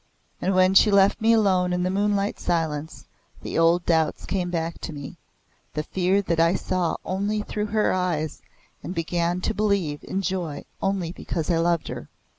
'" And when she left me alone in the moonlight silence the old doubts came back to me the fear that I saw only through her eyes, and began to believe in joy only because I loved her.